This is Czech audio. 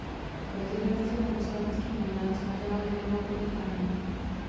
Po rezignaci na poslanecký mandát se nadále věnoval podnikání.